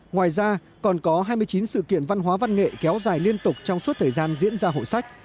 ngoài ra còn có hai mươi chín sự kiện văn hóa văn nghệ kéo dài liên tục trong suốt thời gian diễn ra hội sách